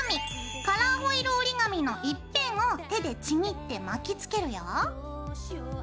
カラーホイル折り紙の一辺を手でちぎって巻きつけるよ。